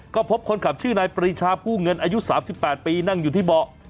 ก็พบคนขับชื่อนายปรีชาผู้เงินอายุ๓๘ปีนั่งอยู่ที่เบาะ